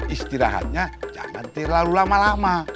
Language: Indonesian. istirahatnya jangan terlalu lama lama